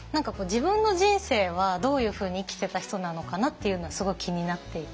自分の人生はどういうふうに生きてた人なのかなっていうのはすごい気になっていて。